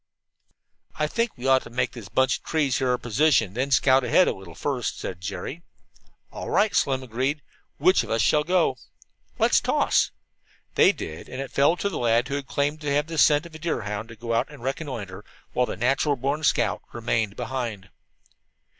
"I think we ought to make this bunch of trees here our position, and then scout ahead a little first," said Jerry. "All right," Slim agreed. "Which one of us shall go?" "Let's toss." They did, and it fell to the lad who had claimed to have the scent of a deerhound to go out and reconnoitre, while the "natural born scout" remained behind.